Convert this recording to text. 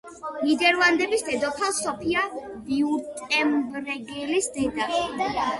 ნიდერლანდების დედოფალ სოფია ვიურტემბერგელის დედა.